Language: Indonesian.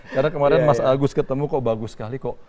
karena kemarin mas agus ketemu kok bagus sekali kok